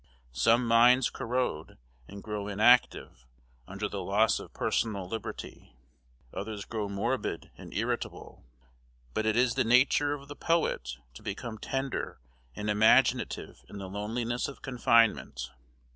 Some minds corrode, and grow inactive, under the loss of personal liberty; others grow morbid and irritable; but it is the nature of the poet to become tender and imaginative in the loneliness of confinement.